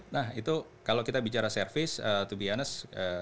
nah itu kalau kita bicara service to be honest